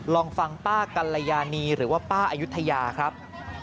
ลองฟังป้ากัลยานีหรือว่าป้าอายุทยาครับ